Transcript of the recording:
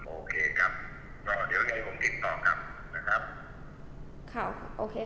โอเคครับเดี๋ยวให้ผมติดต่อกันนะครับ